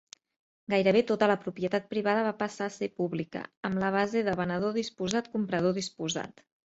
Gairebé tota la propietat privada va passar a ser pública, amb la base de "venedor disposat, comprador disposat".